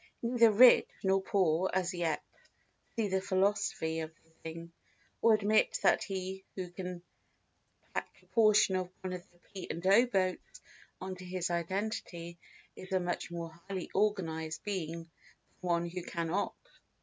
Neither rich nor poor as yet see the philosophy of the thing, or admit that he who can tack a portion of one of the P. & O. boats on to his identity is a much more highly organised being than one who cannot.